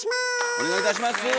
お願いいたします。